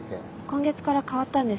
今月から変わったんです。